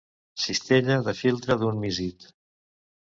Cistella de filtre d'un mísid.